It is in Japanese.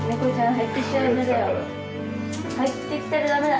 入ってきたらダメだ。